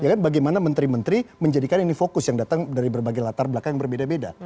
ya kan bagaimana menteri menteri menjadikan ini fokus yang datang dari berbagai latar belakang yang berbeda beda